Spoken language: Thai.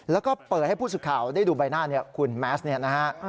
แล้วก็เปิดให้ผู้สุดข่าวได้ดูใบหน้าเนี่ยคุณแมสเนี่ยนะฮะ